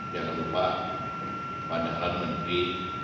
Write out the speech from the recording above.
jangan lupa pada dahlan menteri